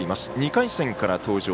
２回戦から登場。